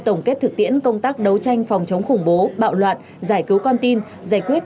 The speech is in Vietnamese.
tổng kết thực tiễn công tác đấu tranh phòng chống khủng bố bạo loạn giải cứu con tin giải quyết